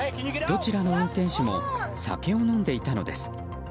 どちらの運転手も酒を飲んでいたのです。